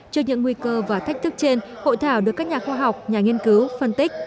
trước những nguy cơ và thách thức trên hội thảo được các nhà khoa học nhà nghiên cứu phân tích